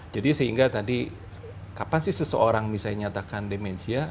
jadi sehingga tadi kapan sih seseorang misalnya nyatakan demensia